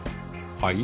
はい？